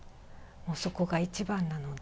そこが一番なので